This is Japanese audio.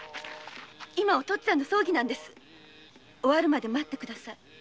今はお父っつぁんの葬儀なんです終わるまで待ってください！